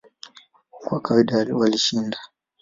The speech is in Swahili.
Kwa kawaida walishinda.